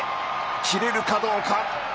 切れるかどうか。